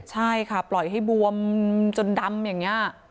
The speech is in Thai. ใช่ค่ะปล่อยให้บวมจนดำอย่างนี้